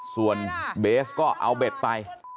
ส่วนเบสก็เอาเบ็ดไป